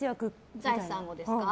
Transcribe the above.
財産をですか。